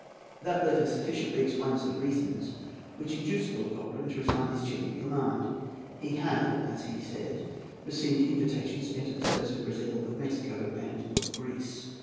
That letter sufficiently explains the reasons which induced Lord Cochrane to resign his Chilian command. He had, as he said, received invitations to enter the service of Brazil, of Mexico, and of Greece.